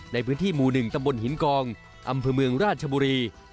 ในพื้นที่หมู่๑ตำบลหินกองอำเภอเมืองราชบุรี